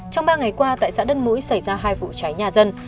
trong ba ngày qua tại xã đất mũi xảy ra hai vụ cháy nhà dân